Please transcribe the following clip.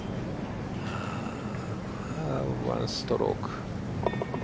１ストローク。